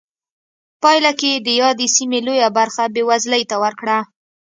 پایله کې یې د یادې سیمې لویه برخه بېوزلۍ ته ورکړه.